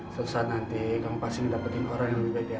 suatu saat nanti kamu pasti mendapatkan orang yang lebih baik